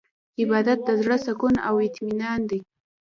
عبادت د زړه سکون او اطمینان دی.